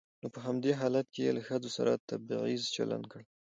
نو په همدې حالت کې يې له ښځو سره تبعيضي چلن کړى.